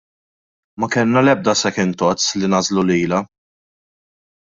Ma kellna l-ebda second thoughts li nagħżlu lilha.